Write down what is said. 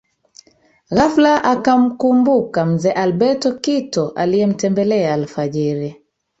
Ghafla akamkumbuka mzee Alberto Kito aliyemtembelea afajiri